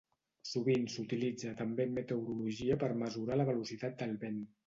Sovint s'utilitza també en meteorologia per mesurar la velocitat del vent.